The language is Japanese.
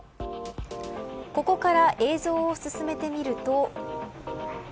ここから映像を進めてみると。